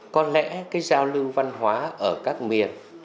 có lẽ cái giao lưu văn hóa ở các miền